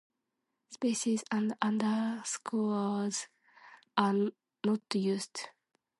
Spaces and underscores are not used.